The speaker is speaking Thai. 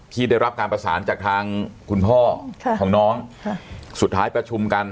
ที่ได้รับการประสานจากทางคุณพ่อของน้องสุดท้ายประชุมกัน